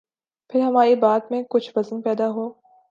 پھر ہماری بات میں کچھ وزن پیدا ہو۔